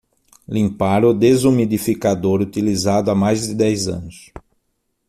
Limpar o desumidificador utilizado há mais de dez anos